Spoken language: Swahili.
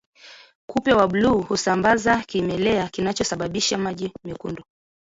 Kupe wa bluu husambaza kimelea kinachosababisha maji mekundu